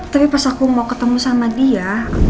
tapi pas aku mau ketemu sama dia